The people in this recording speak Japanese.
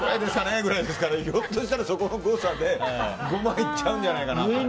ひょっとしたらそこの誤差で５万いっちゃうんじゃないかなと。